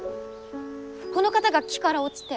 この方が木から落ちて。